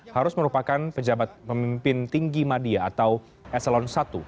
harus merupakan pejabat pemimpin tinggi media atau eselon i